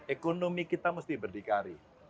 ekonomi kita mesti berdikari